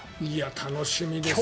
楽しみですね。